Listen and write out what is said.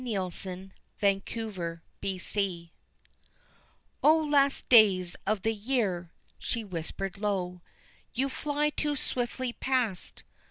O Last Days of the Year "O last days of the year!" she whispered low, "You fly too swiftly past.